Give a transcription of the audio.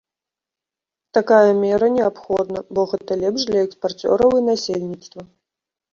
Такая мера неабходна, бо гэта лепш для экспарцёраў і насельніцтва.